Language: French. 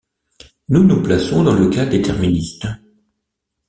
Nous nous plaçons dans le cas déterministe.